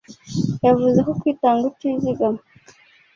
yavuze ko kwitanga utizagam